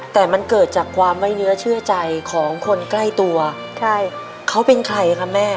แต่มันเกิดจากความไว้เนื้อเชื่อใจของคนใกล้ตัวใช่เขาเป็นใครคะแม่